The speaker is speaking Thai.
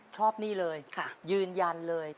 ชอบนี่เลยยืนยันเลย